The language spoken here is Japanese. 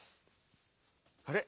あれ？